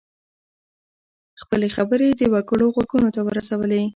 خپلې خبرې د وګړو غوږونو ته ورسولې.